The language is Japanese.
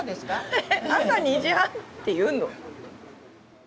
へへ朝２時半って言うの？